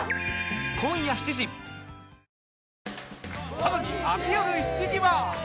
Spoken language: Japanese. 更に明日よる７時は